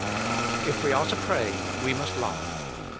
If we are to pray we must love.